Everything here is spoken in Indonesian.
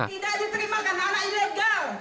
tidak diterimakan anak ilegal